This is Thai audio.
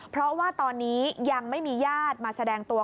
เพราะว่าตอนนี้ยังไม่มีญาติมาแสดงตัว